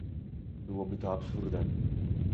Byłoby to absurdem